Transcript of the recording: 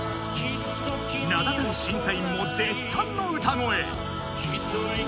名だたる審査員も絶賛の歌声